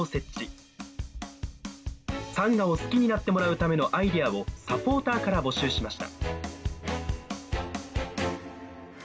サンガを好きになってもらうためのアイデアをサポーターから募集しました。